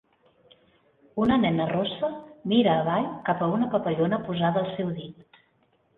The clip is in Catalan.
Una nena rossa mira avall cap a una papallona posada al seu dit.